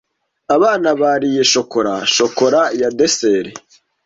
Abana bariye shokora shokora ya dessert.